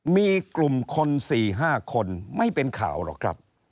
มีกลุ่มคน๔๕คนไม่เป็นข่าวหรอกครับ